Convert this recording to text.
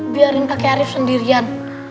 biarin kakek arief sendirian